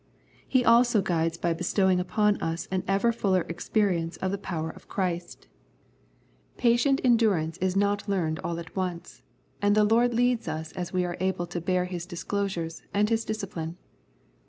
He also guides by bestowing upon us an ever fuller experience of the power of Christ. 48 Love and Peace Patient endurance is not learned all at once, and the Lord leads us as we are able to bear His disclosures and His discipline.